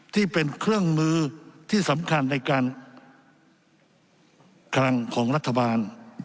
ที่เป็นเครื่องมือที่สำคัญในการคลังของรัฐบาล